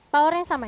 power yang sama ya